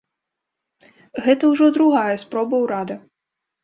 Гэта ўжо другая спроба ўрада.